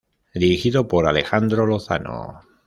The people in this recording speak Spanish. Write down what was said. Dirigido por Alejandro Lozano.